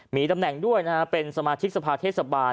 มีตำแหน่งด้วยนะฮะเป็นสมาชิกสภาเทศบาล